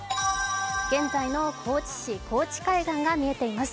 現在の高知市高知海岸が見えています。